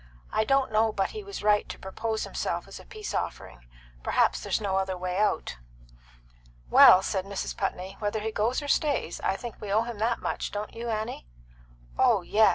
"I don't know but he was right to propose himself as a peace offering; perhaps there's no other way out." "Well," said Mrs. Putney, "whether he goes or stays, I think we owe him that much. Don't you, Annie?" "Oh yes!"